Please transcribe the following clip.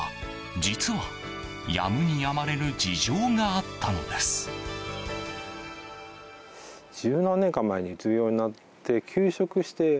実は、やむにやまれぬ事情があったのです。